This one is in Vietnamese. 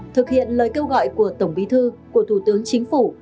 thực hiện lời kêu gọi của tổng bí thư của thủ tướng chính phủ